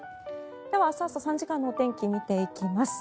では、明日朝３時間のお天気を見ていきます。